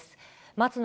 松野